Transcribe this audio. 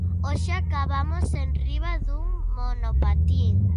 Hoxe acabamos enriba dun monopatín.